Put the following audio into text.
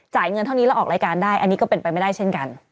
เงินเท่านี้แล้วออกรายการได้อันนี้ก็เป็นไปไม่ได้เช่นกัน